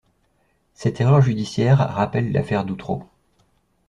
Cette erreur judiciaire rappelle l'affaire d'Outreau.